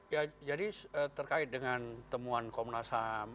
ya jadi terkait dengan temuan komnas ham